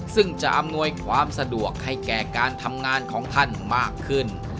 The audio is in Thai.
ซึ่งจะอำนวยความสะดวกให้แก่การทำงานของท่านมากขึ้น